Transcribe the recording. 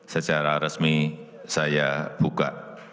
secara resmi saya buka